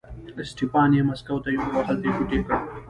اسټپان یې مسکو ته یووړ او هلته یې ټوټې کړ.